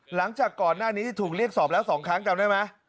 หลังจากก่อนหน้านี้ถูกเรียกสอบแล้ว๒ครั้งจำได้ไหม